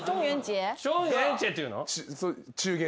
チョンエンチェって言うの？